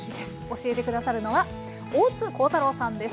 教えて下さるのは大津光太郎さんです。